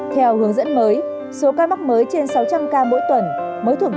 theo hướng dẫn mới số ca mắc mới trên sáu trăm linh ca mỗi tuần